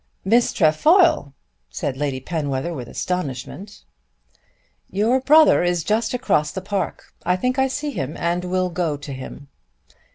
"Miss Trefoil!" said Lady Penwether with astonishment. "Your brother is just across the park. I think I see him and will go to him."